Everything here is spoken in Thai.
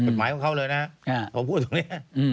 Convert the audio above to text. กฎหมายของเขาเลยนะผมพูดตรงนี้